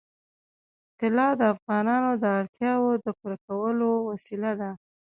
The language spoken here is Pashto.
طلا د افغانانو د اړتیاوو د پوره کولو وسیله ده.